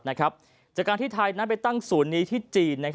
จากการที่ไทยนั้นไปตั้งศูนย์นี้ที่จีน